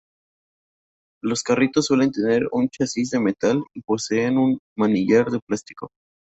Los carritos suelen tener un chasis de metal y poseen un manillar de plástico.